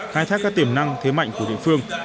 khai thác các tiềm năng thế mạnh của địa phương